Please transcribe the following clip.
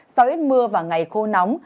sau ít mưa và ngày khô nóng